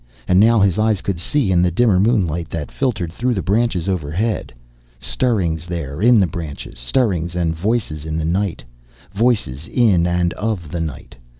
And now his eyes could see in the dimmer moonlight that filtered through the branches overhead. Stirrings there, in the branches. Stirrings and voices in the night. Voices in and of the night.